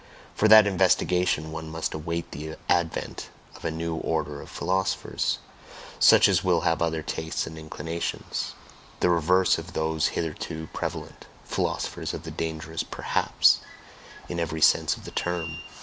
For that investigation one must await the advent of a new order of philosophers, such as will have other tastes and inclinations, the reverse of those hitherto prevalent philosophers of the dangerous "Perhaps" in every sense of the term.